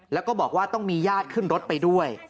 แล้วก็บอกว่าต้องมีญาติขึ้นรถไปด้วย